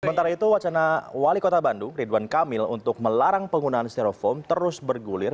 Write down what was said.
sementara itu wacana wali kota bandung ridwan kamil untuk melarang penggunaan steroform terus bergulir